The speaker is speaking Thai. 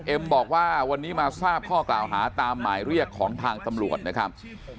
เอ็มบอกว่าวันนี้มาทราบข้อกล่าวหาตามหมายเรียกของทางตำรวจนะครับ